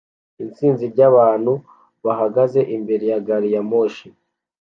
Itsinda ryabantu bahagaze imbere ya gari ya moshi